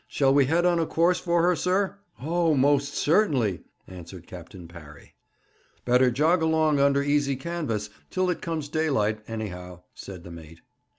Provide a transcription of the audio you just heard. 'Shall we head on a course for her, sir?' 'Oh, most certainly!' answered Captain Parry. 'Better jog along under easy canvas, till it comes daylight, anyhow,' said the mate.